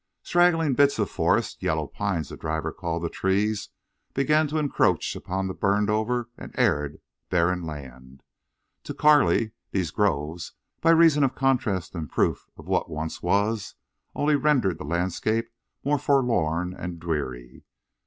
Straggling bits of forest—yellow pines, the driver called the trees—began to encroach upon the burned over and arid barren land. To Carley these groves, by reason of contrast and proof of what once was, only rendered the landscape more forlorn and dreary.